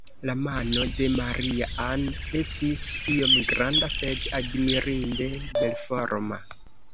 La mano de Maria-Ann estis iom granda, sed admirinde belforma.